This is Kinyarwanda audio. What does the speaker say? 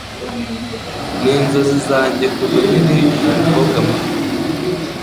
Ninzozi zanjye kuva nkiri umukobwa muto.